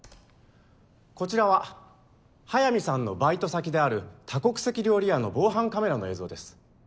こちらは速水さんのバイト先である多国籍料理屋の防犯カメラの映像です。